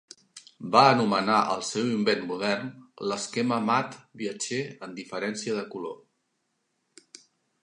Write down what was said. Va anomenar el seu invent modern "l'esquema mat viatger en diferència de color".